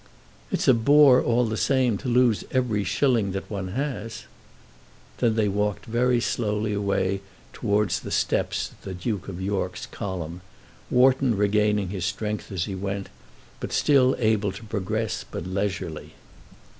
"It's a bore all the same to lose every shilling that one has." Then they walked very slowly away towards the steps at the Duke of York's column, Wharton regaining his strength as he went, but still able to progress but leisurely.